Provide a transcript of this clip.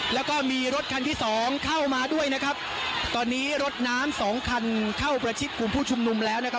แล้วก็มีรถคันที่สองเข้ามาด้วยนะครับตอนนี้รถน้ำสองคันเข้าประชิดกลุ่มผู้ชุมนุมแล้วนะครับ